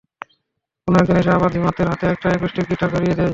কোনো একজন এসে আবার ধীমানের হাতে একটা অ্যাকুস্টিক গিটার ধরিয়ে দেয়।